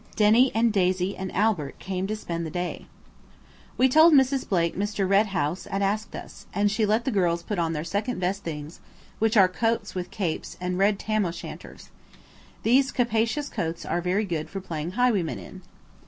Denny and Daisy and Albert came to spend the day. We told Mrs. Blake Mr. Red House had asked us, and she let the girls put on their second best things which are coats with capes and red Tam o'shanters. These capacious coats are very good for playing highwaymen in.